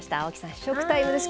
試食タイムです。